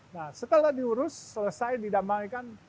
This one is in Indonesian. nah setelah diurus selesai didamaikan